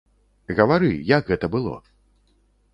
Гавары, як гэта было?